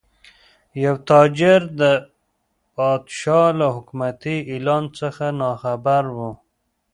یو تاجر د پادشاه له حکومتي اعلان څخه ناخبره و.